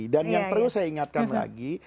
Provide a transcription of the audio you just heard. dan yang perlu saya ingatkan lagi